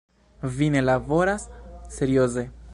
Vi ne laboras serioze.